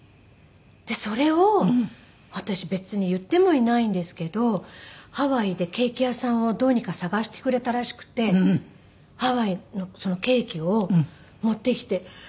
それを私別に言ってもいないんですけどハワイでケーキ屋さんをどうにか探してくれたらしくてハワイのそのケーキを持ってきて。